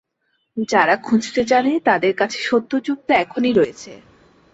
যারা খুঁজতে জানে, তাদের কাছে সত্যযুগ তো এখনই রয়েছে।